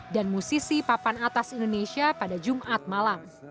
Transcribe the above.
dan musisi papan atas indonesia pada jumat malam